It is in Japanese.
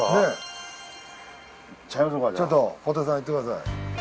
ちょっと小手さんいってください。